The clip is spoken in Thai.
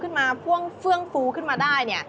ขึ้นมาเฟื่องฟูขึ้นมาได้เนี่ย